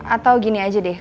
atau gini aja deh